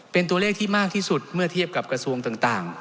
เป็นตัวเลขที่มากที่สุดเมื่อเทียบกับกระทรวงต่าง